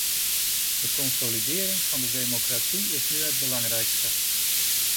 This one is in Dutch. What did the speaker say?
De consolidering van de democratie is nu het belangrijkste.